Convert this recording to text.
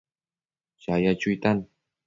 chaya chuitan